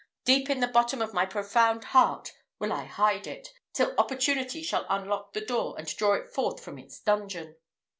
"Deep in the bottom of my profound heart will I hide it, till opportunity shall unlock the door and draw it forth from its dungeon."